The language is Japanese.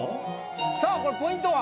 さあこれポイントは？